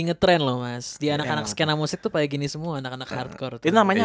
ngetrend loh mas di anak anak skena musik tuh kayak gini semua anak anak hardcoret namanya